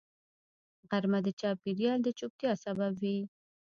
غرمه د چاپېریال د چوپتیا سبب وي